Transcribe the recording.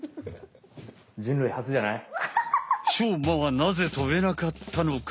しょうまはなぜ飛べなかったのか。